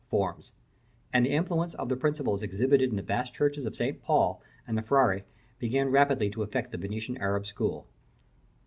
forms; and the influence of the principles exhibited in the vast churches of St. Paul and the Frari began rapidly to affect the Venetian Arab school.